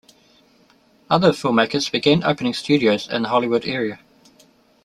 Other filmmakers began opening studios in the Hollywood area.